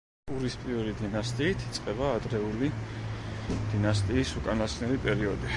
ურის პირველი დინასტიით იწყება ადრეული დინასტიის უკანასკნელი პერიოდი.